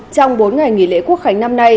trong bốn ngày nghỉ lễ quốc khánh năm nay